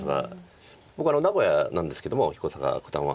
名古屋なんですけども彦坂九段は。